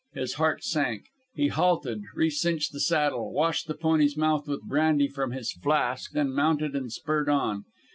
His heart sank. He halted, recinched the saddle, washed the pony's mouth with brandy from his flask, then mounted and spurred on.